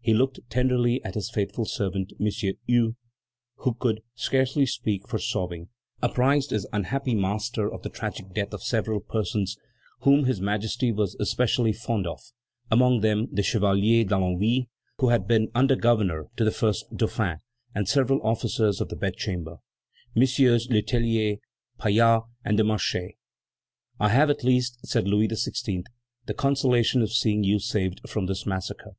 He looked tenderly at his faithful servant. M. Hue, who could scarcely speak for sobbing, apprised his unhappy master of the tragic death of several persons whom His Majesty was especially fond of, among others, the Chevalier d'Allonville, who had been under governor to the first Dauphin, and several officers of the bedchamber: MM. Le Tellier, Pallas, and de Marchais. "I have, at least," said Louis XVI., "the consolation of seeing you saved from this massacre!"